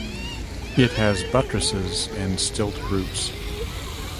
It has buttresses and stilt roots.